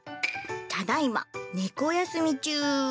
ただ今、猫休み中。